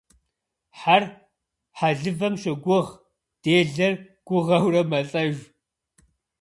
Хьэр хьэлывэм щогуыгъ, делэр гугъэурэ мэлӏэж.